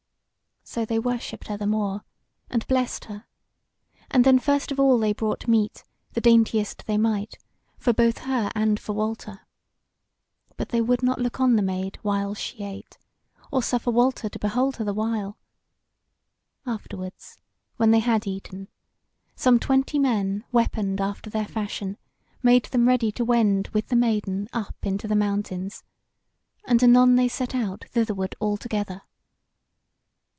So they worshipped her the more, and blessed her; and then first of all they brought meat, the daintiest they might, both for her and for Walter. But they would not look on the Maid whiles she ate, or suffer Walter to behold her the while. Afterwards, when they had eaten, some twenty men, weaponed after their fashion, made them ready to wend with the Maiden up into the mountains, and anon they set out thitherward all together.